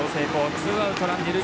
ツーアウトランナー満塁。